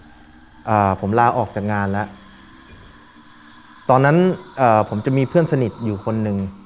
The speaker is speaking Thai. อ่าผมลาออกจากงานแล้วตอนนั้นเอ่อผมจะมีเพื่อนสนิทอยู่คนหนึ่ง